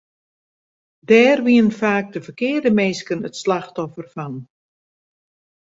Dêr wienen faak de ferkearde minsken it slachtoffer fan.